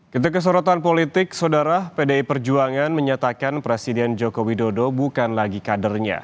ketika keserotan politik saudara pdi perjuangan menyatakan presiden jokowi dodo bukan lagi kadernya